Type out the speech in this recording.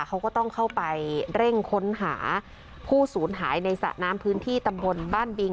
เขาก็ต้องเข้าไปเร่งค้นหาผู้สูญหายในสระน้ำพื้นที่ตำบลบ้านบิง